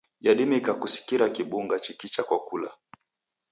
Yadimika kusikira kimbunga chikicha kwa kula.